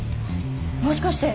もしかして！